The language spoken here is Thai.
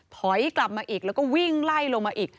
ถอยกลับมาอีกแล้วก็วิ่งไล่ลงมาอีก